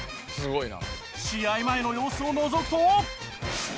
試合前の様子をのぞくと。